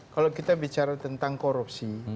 kalau kita bicara tentang korupsi